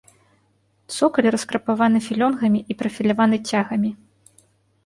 Цокаль раскрапаваны філёнгамі і прафіляваны цягамі.